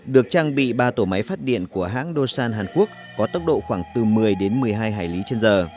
được trang bị ba tổ máy phát điện của hãng doan hàn quốc có tốc độ khoảng từ một mươi đến một mươi hai hải lý trên giờ